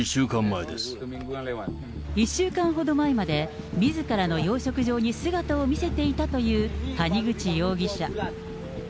１週間ほど前まで、みずからの養殖場に姿を見せていたという谷口容疑者。